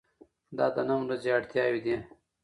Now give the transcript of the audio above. دا د نن ورځې اړتیاوې دي.